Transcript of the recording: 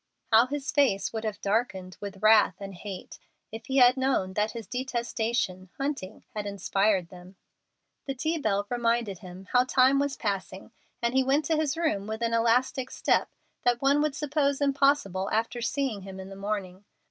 How his face would have darkened with wrath and hate, if he had known that his detestation, Hunting, had inspired them! The tea bell reminded him how time was passing, and he went to his room with an elastic step that one would suppose impossible after seeing him in the morning.